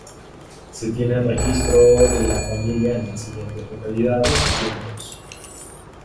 Se tienen registro de la familia en las siguientes localidades y tiempos.